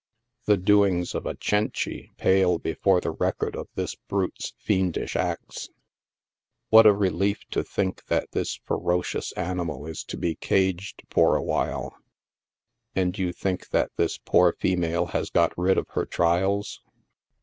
The doings of a Cenci pale before the record of this brute's fiendish acts. What a relief to think that this ferocious an imal is to be caged for awhile ; and you think that this poor female has got rid of her trials.